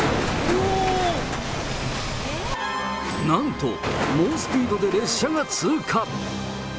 なんと、猛スピードで列車が通過。